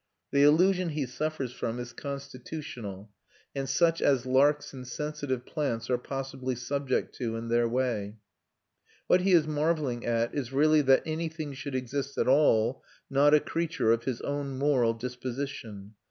The illusion he suffers from is constitutional, and such as larks and sensitive plants are possibly subject to in their way: what he is marvelling at is really that anything should exist at all not a creature of his own moral disposition.